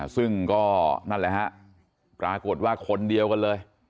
ซึ่งก็นั่นแหละฮะปรากฏว่าคนเดียวกันเลย